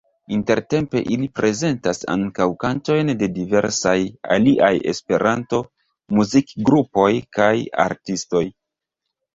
Intertempe ili prezentas ankaŭ kantojn de diversaj aliaj Esperanto-muzikgrupoj kaj -artistoj.